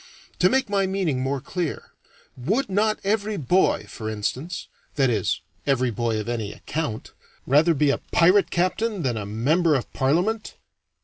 To make my meaning more clear, would not every boy, for instance that is, every boy of any account rather be a pirate captain than a Member of Parliament?